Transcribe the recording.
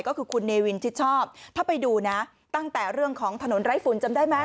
ก็คือคุณเนวินชิดชอบถ้าไปดูนะตั้งแต่เรื่องของถนนไร้ฝุ่นจำได้ไหม